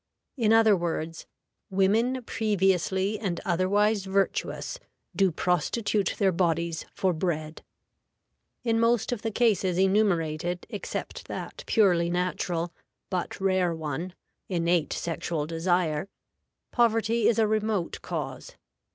_ In other words, "women previously and otherwise virtuous do prostitute their bodies for bread." In most of the cases enumerated except that purely natural, but rare one, innate sexual desire, poverty is a remote cause.